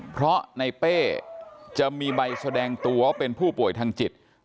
เพราะในเป้จะมีใบแสดงตัวว่าเป็นผู้ป่วยทางจิต